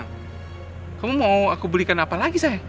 nah kamu mau aku belikan apa lagi sayang